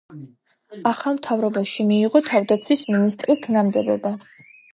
ახალ მთავრობაში მიიღო თავდაცვის მინისტრის თანამდებობა.